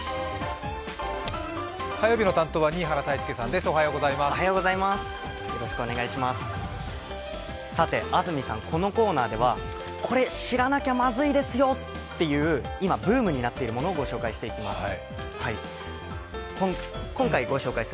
さて、安住さん、このコーナーではこれ知らなきゃまずいですよっていう今、ブームになっているものをご紹介していきます。